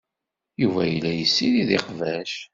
Yuba yella yessirid iqbac.